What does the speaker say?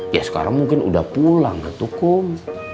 ya sekarang mungkin udah pulang atukum